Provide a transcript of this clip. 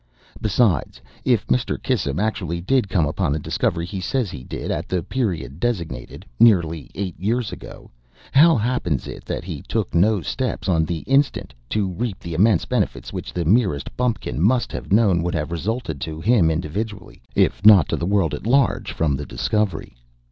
Besides, if Mr. Kissam actually did come upon the discovery he says he did, at the period designated—nearly eight years ago—how happens it that he took no steps, on the instant, to reap the immense benefits which the merest bumpkin must have known would have resulted to him individually, if not to the world at large, from the discovery?